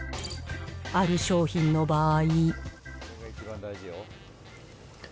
ある商品の場合。